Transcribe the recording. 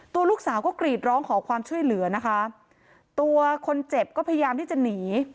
ตัวลูกสาวก็กรีดร้องขอความช่วยเหลือนะคะตัวคนเจ็บก็พยายามที่จะหนี